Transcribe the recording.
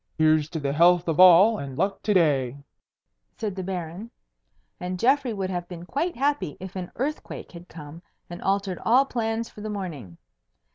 "Here's to the health of all, and luck to day," said the Baron; and Geoffrey would have been quite happy if an earthquake had come and altered all plans for the morning.